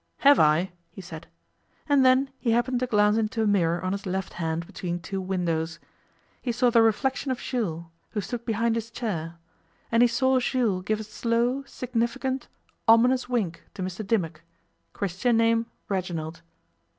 'Have I?' he said, and then he happened to glance into a mirror on his left hand between two windows. He saw the reflection of Jules, who stood behind his chair, and he saw Jules give a slow, significant, ominous wink to Mr Dimmock Christian name, Reginald.